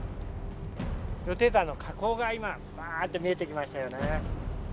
羊蹄山の火口が今バアって見えてきましたよね。